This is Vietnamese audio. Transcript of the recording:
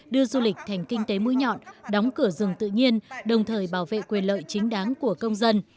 học thành kinh tế mũi nhọn đóng cửa rừng tự nhiên đồng thời bảo vệ quyền lợi chính đáng của công dân